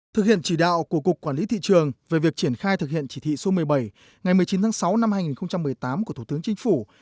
thực hiện chỉ đạo của cục quản lý thị trường về việc triển khai thực hiện chỉ thị số một mươi bảy ngày một mươi chín tháng sáu năm hai nghìn một mươi tám của thủ tướng chính phủ